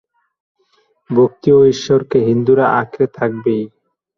ভক্তি ও ঈশ্বরকে হিন্দুরা আঁকড়ে থাকবেই।